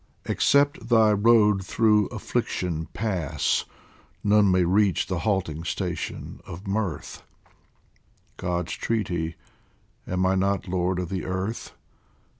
Except thy road through affliction pass, None may reach the halting station of mirth ; God's treaty : Am I not Lord of the earth